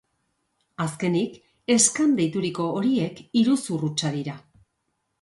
Azkenik, scam deituriko horiek iruzur hutsa dira.